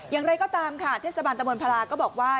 อย่างไรก็ตามค่ะเทศบาลตะบนพลาก็บอกว่า